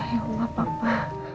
ya allah papa